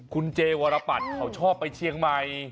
คุณเจวรปัตรเขาชอบไปเชียงใหม่